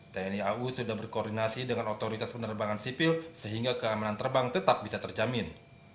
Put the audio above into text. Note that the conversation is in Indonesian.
tni au sudah berkoordinasi dengan otoritas penerbangan sipil sehingga keamanan terbang tetap bisa terjamin